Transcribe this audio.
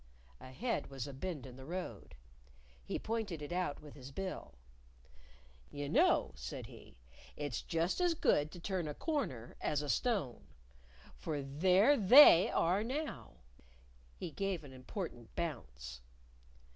Ahead was a bend in the road. He pointed it out with his bill. "You know," said he, "it's just as good to turn a corner as a stone. For there They are now!" He gave an important bounce.